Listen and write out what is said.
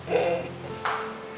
akhirat ya bak